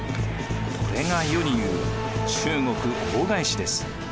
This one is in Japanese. これが世に言う中国大返しです。